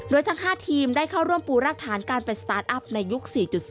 โดยทั้ง๕ทีมได้เข้าร่วมปูรากฐานการเป็นสตาร์ทอัพในยุค๔๐